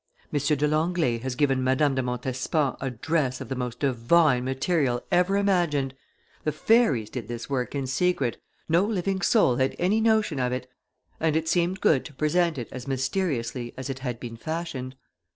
"M. de Langlee has given Madame de Montespan a dress of the most divine material ever imagined; the fairies did this work in secret, no living soul had any notion of it; and it seemed good to present it as mysteriously as it had been fashioned.